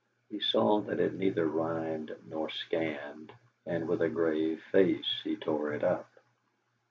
He saw that it neither rhymed nor scanned, and with a grave face he tore it up.